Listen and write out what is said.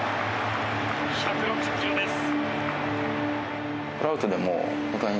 １６０キロです。